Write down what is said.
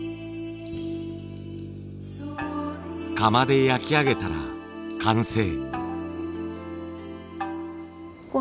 窯で焼き上げたら完成。